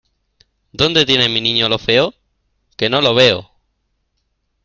¿Dónde tiene mi niño lo feo?, ¡que no lo veo!